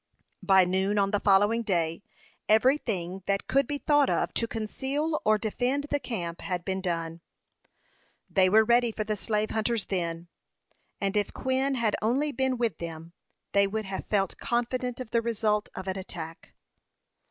By noon on the following day, every thing that could be thought of to conceal or defend the camp had been done. They were ready for the slave hunters then, and if Quin had only been with them, they would have felt confident of the result of an attack.